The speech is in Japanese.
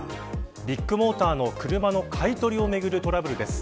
ビッグモーターの車の買い取りをめぐるトラブルです。